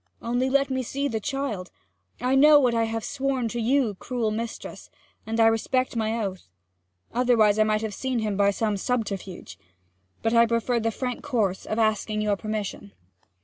Only let me see the child. I know what I have sworn to you, cruel mistress, and I respect my oath. Otherwise I might have seen him by some subterfuge. But I preferred the frank course of asking your permission.'